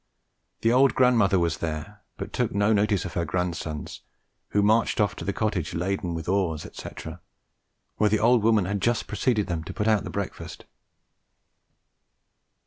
The old grandmother was there, but took no notice of her grandsons, who marched off to the cottage laden with oars, etc., where the old woman had just preceded them to put out the breakfast.